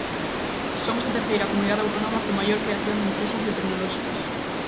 Somos a terceira comunidade autónoma con maior creación de empresas biotecnolóxicas.